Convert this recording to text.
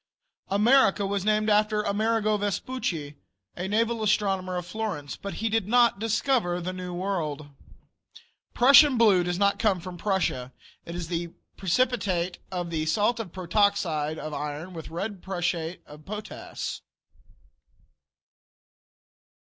America was named after Amerigo Vespucci, a naval astronomer of Florence, but he did not discover the New World. Prussian blue does not come from Prussia. It is the precipitate of the salt of protoxide of iron with red prussiate of potass.